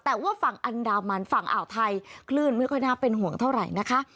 แต่ว่าฝั่งอันดามันฝั่งอ่าวไทยคลื่นไม่ค่อยน่าเป็นห่วงเท่าไหร่นะคะ